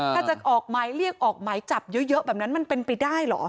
ถ้าจะออกหมายเรียกออกหมายจับเยอะแบบนั้นมันเป็นไปได้เหรอ